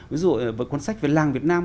ví dụ là quần sách về làng việt nam